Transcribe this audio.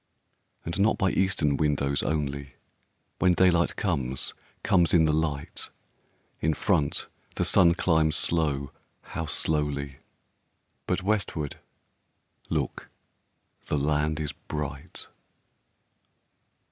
And not by eastern windows only, When daylight comes, comes in the light; In front the sun climbs slow, how slowly! But westward, look, the land is bright!